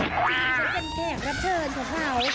ชิคกี้พายเป็นแก่งรับเชิญของเขา